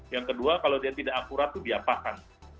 yang kedua kalau dia tidak akurat itu diapakan